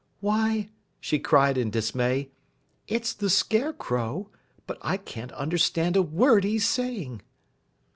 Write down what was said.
"Why," she cried in dismay, "it's the Scarecrow, but I can't understand a word he's saying!"